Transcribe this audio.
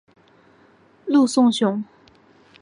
陆颂雄。